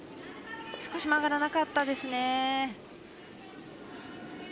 少し曲がらなかったですね。